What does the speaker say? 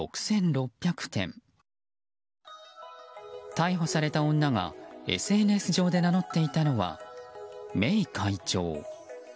逮捕された女がＳＮＳ上で名乗っていたのはＭｅｉ会長。